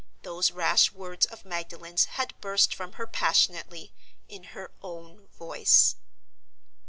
Those rash words of Magdalen's had burst from her passionately, in her own voice.